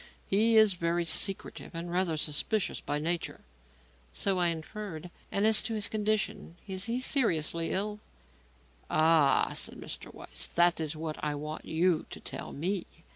He is very secretive and rather suspicious by nature." "So I inferred. And as to his condition; is he seriously ill?" "Ah," said Mr. Weiss, "that is what I want you to tell me.